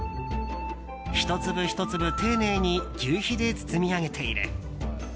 １粒１粒、丁寧に求肥で包み上げている。